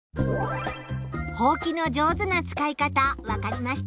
ほうきの上手な使い方分かりました？